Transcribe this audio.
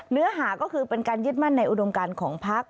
เนื้อหาก็คือเป็นการยึดมั่นในอุดมการของพัก